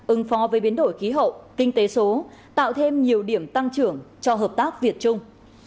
ứng phó với biến đổi khí hậu kinh tế số tạo thêm nhiều điểm tăng trưởng cho hợp tác việt trung